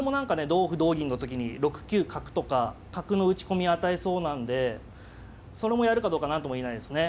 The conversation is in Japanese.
同歩同銀の時に６九角とか角の打ち込み与えそうなんでそれもやるかどうか何とも言えないですね。